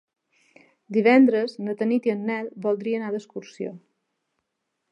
Divendres na Tanit i en Nel voldria anar d'excursió.